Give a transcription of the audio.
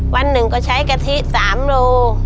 วันหนึ่งก็ใช้กะทิ๓โล